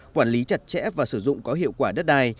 quản lý chặt chẽ và sử dụng có hiệu quả đất đai